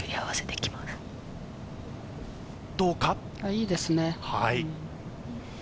いいですね。